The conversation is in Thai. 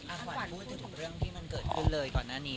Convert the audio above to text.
ขวัญพูดถึงเรื่องที่มันเกิดขึ้นเลยก่อนหน้านี้